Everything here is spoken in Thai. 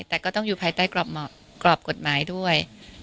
แต่ก็ต้องอยู่ภายใต้กรอบกฎหมายด้วย